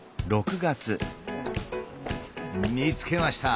見つけました！